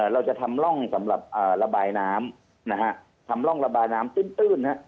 เราจะทำร่องสำหรับระบายน้ำนะฮะทำร่องระบายน้ำตื้น